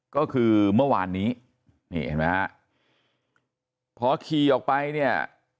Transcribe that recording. ก็คือเมื่อวานนี้เพราะขี่ออกไปเนี่ย